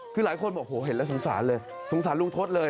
คือหลายคนบอกโหเห็นแล้วสงสารเลยสงสารลุงทศเลย